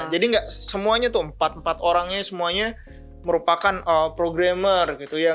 jadi gak semuanya tuh empat empat orangnya semuanya merupakan programmer gitu ya